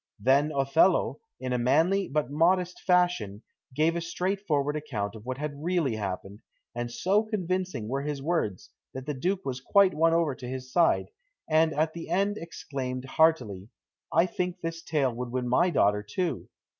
Then Othello, in a manly but modest fashion, gave a straightforward account of what had really happened, and so convincing were his words that the Duke was quite won over to his side, and at the end exclaimed heartily, "I think this tale would win my daughter too!"